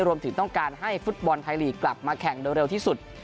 รวมถึงต้องการให้ฟุตบอลไทยลีกกลับมาแข่งเร็วที่สุด